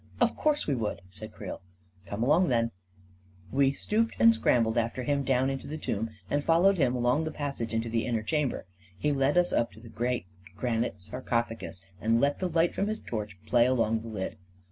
"" Of course we would! " said Creel. 11 Come along, then !" We stooped and scrambled after him down into the tomb, and followed him along the passage into the inner chamber. He led us up to the great gran ite sarcophagus and let the light from his torch play along the lid.